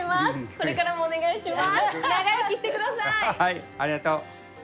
これからもお願いします